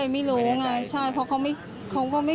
ใช่ลูกค้าประจำก็มีขาจรก็มี